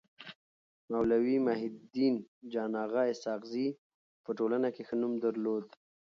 مولوي محي الدين جان اغا اسحق زي په ټولنه کي ښه نوم درلود.